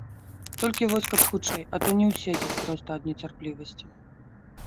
Толькі вось каб хутчэй, а то не ўседзець проста ад нецярплівасці.